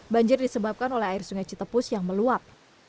banjir disebabkan oleh air sungai citepus yang meluap